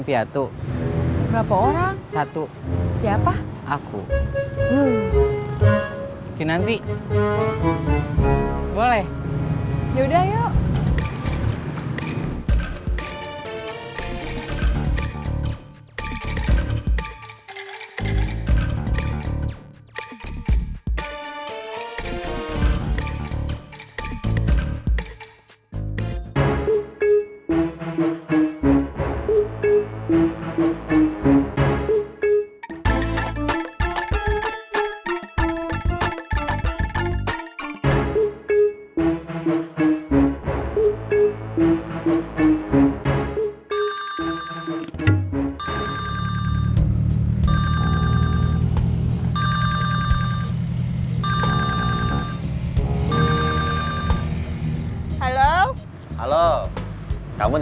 kenapa aku gak punya pikiran seperti kamu